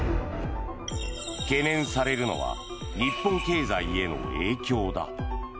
懸念されるのは日本経済への影響だ。